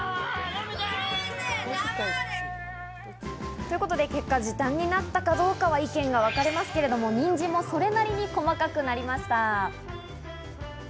ということで、結果時短になったかどうかは意見がわかれますが、にんじんもそれなりに細かくなりました。